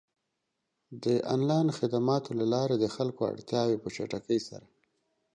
د آنلاین خدماتو له لارې د خلکو اړتیاوې په چټکۍ سره پ